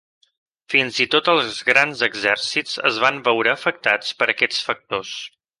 Fins i tot els grans exèrcits es van veure afectats per aquests factors.